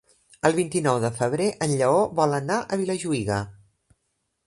El vint-i-nou de febrer en Lleó vol anar a Vilajuïga.